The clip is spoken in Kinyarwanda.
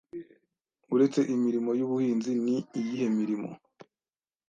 Uretse imirimo y’ubuhinzi, ni iyihe mirimo